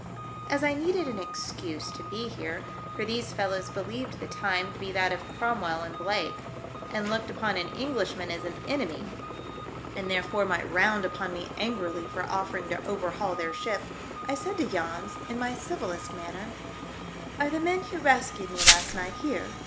As I needed an excuse to be here — for these fellows believed the time to be that of Crom I HOLD A CONVERSATION WITH THE CREW. I 55 well and Blake, and looked upon an English man as an enemy, and, therefore, might round upon me angrily for offering to overhaul their ship — I said to Jans, in my civillest manner — "Are the men who rescued me last night here